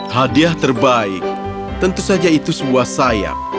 hadiah terbaik tentu saja itu sebuah sayap